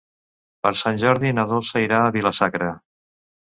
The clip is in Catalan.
Per Sant Jordi na Dolça irà a Vila-sacra.